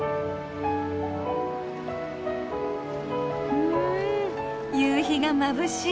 うん夕日がまぶしい。